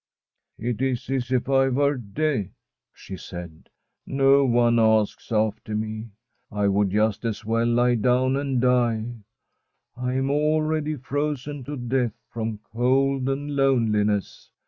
' It is as if I were dead/ she said. ' No one asks after me. I would just as well lie down and die. I am already frozen to death from cold and loneliness.